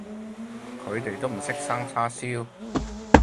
佢哋都唔識生叉燒